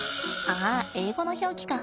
あ英語の表記か。